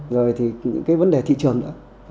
rồi thì những cái vấn đề thị trường nữa